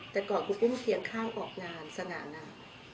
แต่ก่อนครูปุ้มเสียงข้างออกงานสง่างาม